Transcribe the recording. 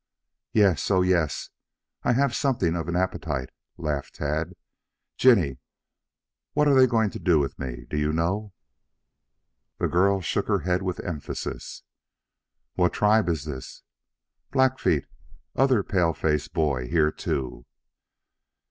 "Yes. Oh, yes, I have something of an appetite," laughed Tad. "Jinny, what are they going to do with me, do you know?" The girl shook her head with emphasis. "What tribe is this?" "Blackfeet. Other paleface boy here too."